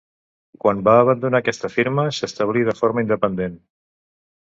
Quan va abandonar aquesta firma, s'establí de forma independent.